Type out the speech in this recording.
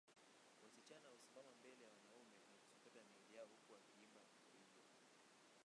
Wasichana husimama mbele ya wanaume na kusokota miili huku wakiimba Oiiiyo